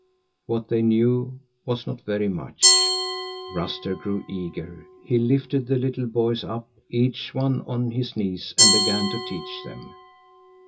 What they knew was not very much. Ruster grew eager; he lifted the little boys up, each on one of his knees, and began to teach them.